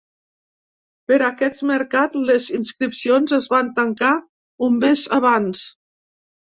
Per aquest mercat les inscripcions es van tancar un mes abans.